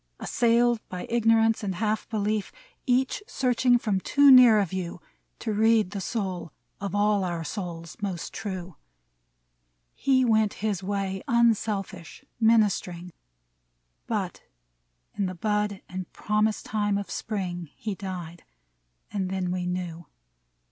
Assailed by ignorance and half belief, — Each searching from too near a view To read the soul of all our souls most true, — He went his way, unselfish, minist'ring ; But in the bud and promise time of Spring He died — and then we knew.'